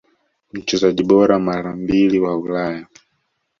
Mchezaji bora mara mbili wa Ulaya